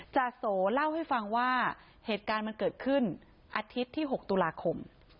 จาโสเล่าให้ฟังว่าเหตุการณ์มันเกิดขึ้นอาทิตย์ที่๖ตุลาคม